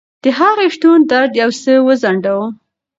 د هغې شتون درد یو څه وځنډاوه.